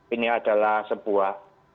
ini adalah sebuah